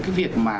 cái việc mà